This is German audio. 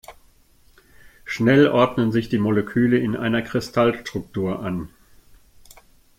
Schnell ordnen sich die Moleküle in einer Kristallstruktur an.